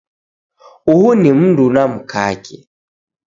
Uhu ni mundu na mkake